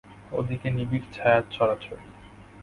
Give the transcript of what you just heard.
ওদিকে নিবিড় ছায়ার ছড়াছড়ি।